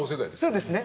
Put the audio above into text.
そうですね。